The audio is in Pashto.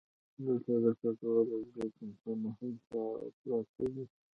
دلته د کډوالو درې کمپونه هم پراته دي.